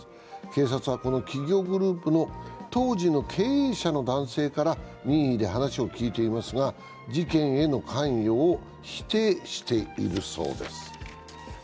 警察は、この企業グループの当時の経営者の男性から任意で話を聞いていますが、事件への関与を否定しているそうです。